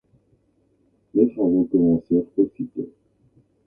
Les travaux commencèrent aussitôt.